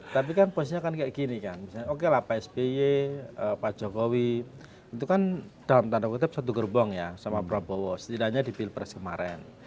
tapi kan posisinya kan kayak gini kan misalnya oke lah pak sby pak jokowi itu kan dalam tanda kutip satu gerbong ya sama prabowo setidaknya di pilpres kemarin